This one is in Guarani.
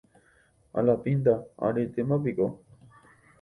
Alapínta aretémapiko